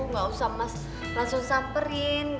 nggak usah mas langsung samperin